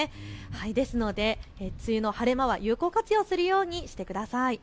ですので梅雨の晴れ間は有効活用するようにしてください。